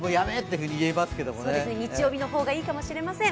日曜日の方がいいかもしれません。